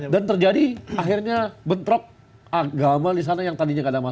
dan terjadi akhirnya bentrok agama di sana yang tadinya nggak ada masalah